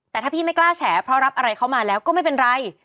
แต่ถ้าพี่ไม่กล้าแฉเพราะรับอะไรเข้ามาแล้วก็ไม่เป็นไร